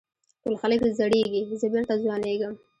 ټول خلک زړېږي زه بېرته ځوانېږم.